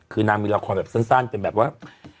คือนางมีละครแบบสั้นเป็นแบบว่า